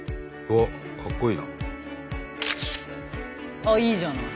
あっいいじゃない。